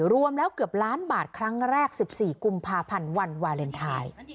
รวมแล้วเกือบล้านบาทครั้งแรก๑๔กุมภาพันธ์วันวาเลนไทย